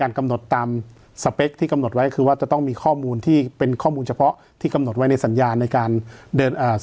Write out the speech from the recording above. กำหนดตามสเปคที่กำหนดไว้คือว่าจะต้องมีข้อมูลที่เป็นข้อมูลเฉพาะที่กำหนดไว้ในสัญญาในการเดินอ่า